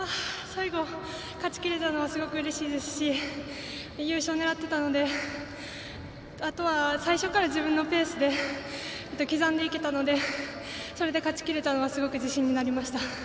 最後、勝ちきれたのはすごくうれしいですし優勝狙っていたのであとは、最初から自分のペースで刻んでいけたのでそれで勝ちきれたのはすごく自信になりました。